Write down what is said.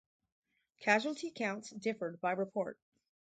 Casualty counts differed by report.